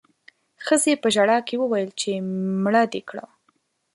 ښځې په ژړا کې وويل چې مړه دې کړه